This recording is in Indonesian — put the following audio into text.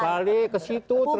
balik ke situ terus gitu loh